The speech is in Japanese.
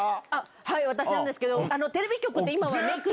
はい私なんですけど。